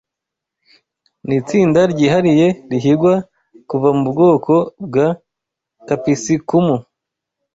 nitsinda ryihariye rihingwa kuva mubwoko bwa Capisicumu